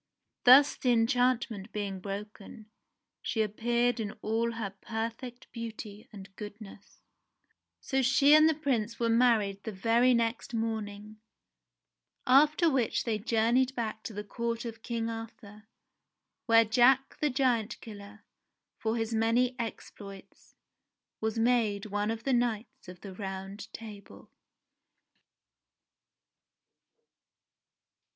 Thus the enchantment being broken, she appeared in all her perfect beauty and goodness. So she and the Prince were married the very next morn JACK THE GIANT KILLER 93 ing. After which they journeyed back to the court of King ^ Arthur, where Jack the Giant Killer, for his many exploits, I was made one of the Knights of the Round Table.